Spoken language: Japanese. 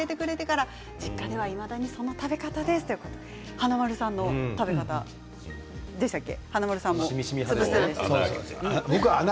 華丸さんの食べ方でしたっけ。